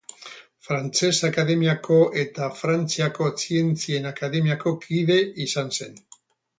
Frantses Akademiako eta Frantziako Zientzien Akademiako kide izan zen.